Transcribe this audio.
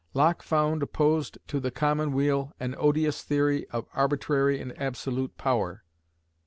Locke found opposed to the common weal an odious theory of arbitrary and absolute power.